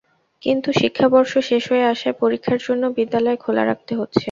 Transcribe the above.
কিন্তু শিক্ষাবর্ষ শেষ হয়ে আসায় পরীক্ষার জন্য বিদ্যালয় খোলা রাখতে হচ্ছে।